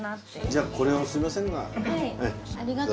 じゃあこれをすいませんが。